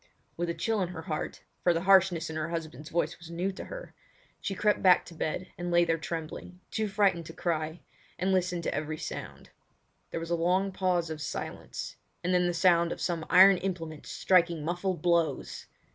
With a chill in her heart—for the harshness of her husband's voice was new to her—she crept back to bed and lay there trembling, too frightened to cry, and listened to every sound. There was a long pause of silence, and then the sound of some iron implement striking muffled blows!